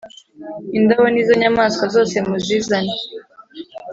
indabo n ‘izo nyamaswa zose muzizane.